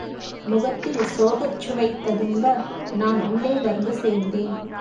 முகத்தில் சோகச்சுவை ததும்ப, நான் உள்ளே வந்து சேர்ந்தேன்.